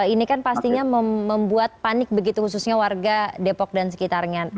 ini kan pastinya membuat panik begitu khususnya warga depok dan sekitarnya